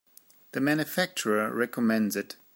The manufacturer recommends it.